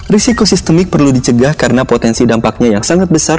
risiko sistemik perlu dicegah karena potensi dampaknya yang sangat besar